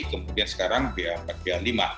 kemudian sekarang ba empat ba lima